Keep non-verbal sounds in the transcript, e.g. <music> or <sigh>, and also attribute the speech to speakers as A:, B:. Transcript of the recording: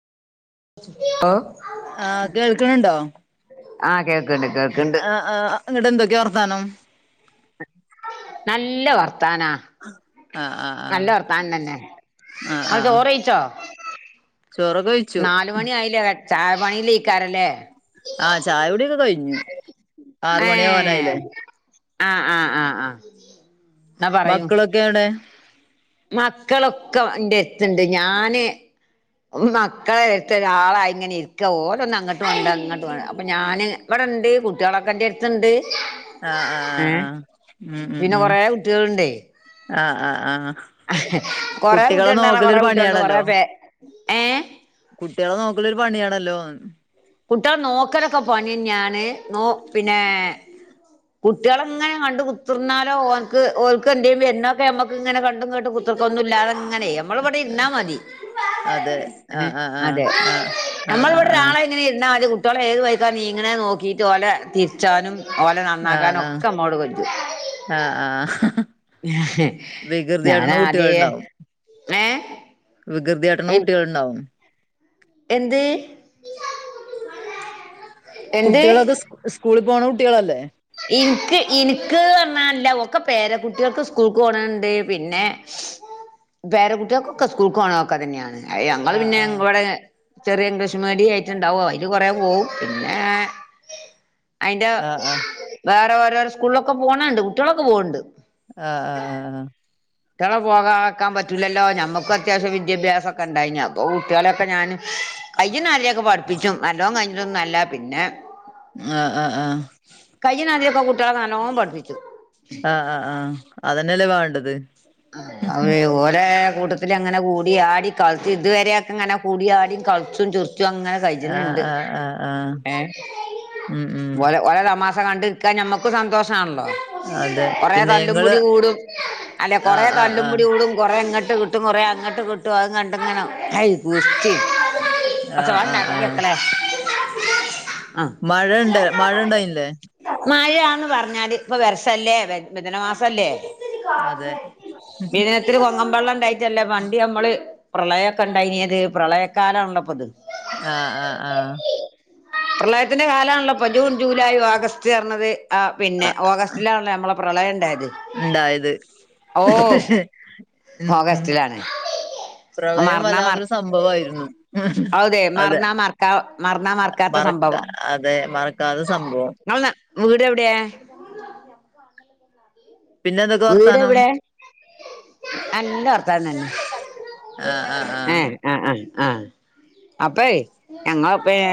A: ആഹ്
B: ആഹ്, കേൾക്കണണ്ടോ?
A: ആഹ്, കേൾക്ക്ണ്ട് കേക്ക്ണ്ട്.
B: ആഹ്, ആഹ്. ന്നട്ട് എന്തൊക്കെ വർത്താനം?
A: നല്ല വർത്താനാ.
B: ആഹ് ആഹ്
A: നല്ല വർത്താനം തന്നെ.
B: ആഹ് ആഹ്
A: ഇങ്ങൾ
B: ആഹ്
A: ചോറെയ്ച്ചോ?
B: ചോറൊക്കെ വെയ്ച്ചു.
A: <unintelligible> മണി ആയിലെ? ചായ പണീൽ അയ്ക്കാരംല്ലേ?
B: ആഹ് ചായ കുടിക്കെ കഴിഞ്ഞു, ആറുമണി
A: ഏഹ്
B: ആവാനായില്ലേ!
A: ആഹ്, ആഹ്, ആഹ്, ആഹ്. എന്നാ പറയൂ
B: മക്കളൊക്കെവ്ടെ?
A: മക്കളൊക്കെ ന്റെ എട്ത്ത്ണ്ട്, ഞാന്- മക്കളെ എര്ത്ത് ഒരാളായി ഇങ്ങനെ ഇരിക്ക. ഓരോന്ന് അങ്ങട്ട് മണ്ട, ഇങ്ങട്ട് മണ്ട അപ്പൊ ഞാന് വ്ടെണ്ട്, കുട്ടിയാളൊക്കെ ന്റെ എട്ത്ത്ണ്ട്.
B: ആഹ്, ആഹ്, ആഹ്. ഉം, ഉം, ഉം.
A: കൊറേ കുട്ടികളുണ്ടേ
B: ആഹ്, ആഹ്, ആഹ്.
A: കൊറെേ
B: കുട്ടികളെ
A: കുട്ടിയോൾണ്ട് റഞ്ഞ
B: നോക്കലൊരു
A: കൊറെേ കുട്ടിയോൾണ്ട് കൊറെ പേ- ഏ
B: കുട്ടിയാളെ നോക്കലൊരു പണിയാണല്ലോ?
A: കുട്ടിളെ നോക്കലൊക്കെ പണിന്നെണ്. നോ, പിന്നെ കുട്ടിയാളെ ങ്ങനെ കണ്ട് കുത്തിർന്നാലോ? ഓന്ക്ക് ഓല്ക് എന്തേയും വെർനോക്കെ നമ്മക്ക് ഇങ്ങനെ കണ്ടും കേട്ട്- ഇത്രർക്കൊന്നും ഇല്ലാതെങ്ങനെയ് ഞമ്മള് വിടെ ഇര്ന്നാ മതി.
B: അതെ
A: ഏ,
B: ആഹ് ആഹ്
A: അതെ.
B: ആഹ് ആഹ്
A: ഞമ്മള് ഇവിടെരൊളാ
B: ആഹ്
A: - ങ്ങനെ ഇര്ന്നാല് കുട്ടിയാളെ ഏത് വഴിക്കാ നീങ്ങണ് നോക്കിട്ട് ഓലെ തിരിച്ചാനും. ഓലെ
B: ആഹ് ആഹ്
A: നന്നാകാനൊക്കെ മ്മള് <unintelligible>
B: ആഹ്, ആഹ്
A: ഏഹ്,
B: വികൃതി കാട്ടണ
A: ഞാനാദ്യേ.. ഏ?
B: വികൃതിയാട്ട്ണെ കുട്ടിയോൾ ണ്ടാവും.
A: എന്ത്? <unintelligible> എന്ത്
B: കുട്ടികളൊക്കെ സ്കൂളിൽ പോകണ കുട്ടികളല്ലേ?
A: ഇനിക്ക് ഇനിക്ക് <unintelligible> ഒക്കെ പേരെ കുട്ടികൾക്ക് സ്കൂൾക്ക് പോണുണ്ട് പിന്നെ-
B: <inaudible>
A: പേര കുട്ടികൾക്കൊക്കെ സ്കൂൾ പോണൊക്കെ തന്നെയാണ് അ ഞങ്ങൾ
B: ആഹ്
A: പിന്നെ
B: ആഹ്
A: ഇവിടെ- ചെറിയ ഇംഗ്ലീഷ് മീഡിയ ആയിട്ട്ണ്ടാവോ അതില് കൊറ പോവും പിന്നെ- അതിന്റെ
B: ആഹ് ആഹ്
A: വേറെ ഓരോരോ സ്കൂളിലൊക്കെ പോണുണ്ട് കുട്ടികളൊക്കെ പോകണ്ട്.
B: ആഹ് ആഹ് ആഹ് ആഹ്
A: കുട്ടികളെ പോകാക്കാൻ പറ്റൂല്ലല്ലോ നമ്മക്ക് അത്യാവശ്യം വിദ്യാഭ്യസക്കെ ഉണ്ടായി അപ്പൊ കുട്ടികളൊക്കെ ഞാന്- കഴിഞ്ഞ നാലൊക്കെ പഠിപ്പിച്ചും നല്ലോ കഴിഞ്ഞൊന്നും അല്ല പിന്നെ-
B: ആഹ് ആഹ് ആഹ് ആഹ്
A: കൈനദ്യക്കെ കുട്ടികളെ നല്ലോം പഠിപ്പിച്ചു.
B: ആഹ് ആഹ് ആഹ് അതന്നെയല്ലേ വേണ്ടത്.
A: അവ ഓര കൂട്ട- അങ്ങനെ കൂടി ആടി കളിച്ചു ഇതുവരെയൊക്കെങ്ങെ കൂടി ആടി കളിച്ചും ചിരിച്ചും <unintelligible> അങ്ങനെ
B: ആഹ്
A: കൈജുണ്ട്
B: ആഹ് ആഹ് ആഹ്
A: ഏ
B: ഉം ഉം
A: ഓല തമാ- കണ്ട് നിക്കാൻ നമ്മക്ക് സന്തോഷമാണല്ലോ
B: അതെ
A: കൊറേ
B: പിന്നെ ഇങ്ങള്
A: തല്ലുംപിടി കൂടും. അല്ലേ കുറേ
B: ആഹ് ആഹ്
A: തല്ലും
B: ആഹ്
A: പിടി കൂടും കുറെ ഇങ്ങോട്ട് കിട്ടും. ഇട്ട് കുറേ അങ്ങോട്ട് കിട്ടുവ അത് കണ്ടിങ്ങനെ കൈ - <inaudible>
B: ആഹ് ആഹ് ആഹ്
A: ആഹ്
B: മഴണ്ട് മഴ ഇണ്ടായില്ലേ
A: മഴ ആന്ന് പറഞ്ഞാല് ഇപ്പൊ വർസല്ലേ വദന മാസംല്ലേ.
B: അതെ
A: പിനെ ഇത്തിരി കൊങ്ങമ്പള്ളം ഇണ്ടായിട്ടല്ലേ വണ്ടി നമ്മള് പ്രളയൊക്കെ ഇണ്ടായിനത് പ്രളയക്കാലാണള്ളപ്പൊത്.
B: ആഹ് ആഹ് ആഹ്
A: പ്രളയത്തിന്റെ കാലാണല്ലോ അപ്പൊ ജൂൺ ജൂലൈ ഓഗസ്റ്റ് വെർണത് ആ പിന്നെ ഓഗസ്റ്റ്- അത്തിലാണല്ലോ നമ്മള പ്രളയണ്ടായത്.
B: ഉണ്ടായത്
A: ഓഗസ്റ്റിലാണ്
B: <inaudible> പ്രളയം
A: മറന്നാ മറ
B: വല്ലാതൊരു സംഭവമായിരുന്നു അതെ.
A: മറന്നാ മറക്കാ മറന്നാ മറക്കാത്ത
B: മറക്കാ
A: സംഭവം
B: അതെ മറക്കാത്തെ സംഭവം.
A: <unintelligible> വീട് എവിടെയ?
B: പിന്നെ എന്തൊക്കെ
A: വീട്
B: വർത്താനം
A: ഇവിടെ നല്ലർ- അ തന്നെ
B: ആഹ് ആഹ്
A: ഏഹ് ആഹ് ആഹ് ആഹ് അപ്പേ ഞങ്ങളെപ്പഴാ